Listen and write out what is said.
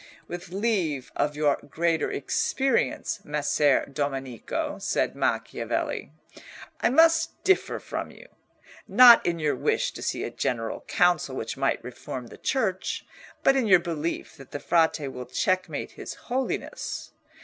"With leave of your greater experience, Messer Domenico," said Macchiavelli, "I must differ from you—not in your wish to see a General Council which might reform the Church, but in your belief that the Frate will checkmate his Holiness.